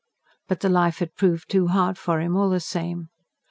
But the life had proved too hard for him, all the same.